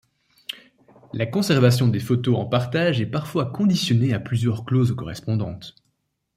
La conservation des photos en partage est parfois conditionnée à plusieurs clauses correspondantes.